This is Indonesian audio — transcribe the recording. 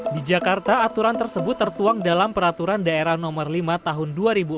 di jakarta aturan tersebut tertuang dalam peraturan daerah no lima tahun dua ribu empat belas